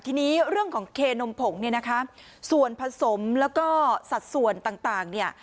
ทีนี้เรื่องของเคนมผงเนี่ยนะคะส่วนผสมแล้วก็สัดส่วนต่างเนี่ย